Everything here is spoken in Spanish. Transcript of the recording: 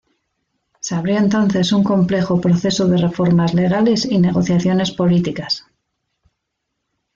Se abrió entonces un complejo proceso de reformas legales y negociaciones políticas.